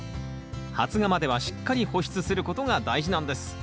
発芽まではしっかり保湿することが大事なんです。